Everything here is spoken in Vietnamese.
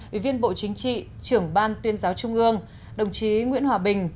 ủy viên bộ chính trị trưởng ban tuyên giáo trung ương đồng chí nguyễn hòa bình